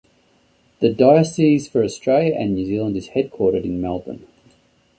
The diocese for Australia and New Zealand is headquartered in Melbourne.